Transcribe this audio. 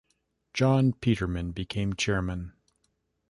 John Peterman became Chairman.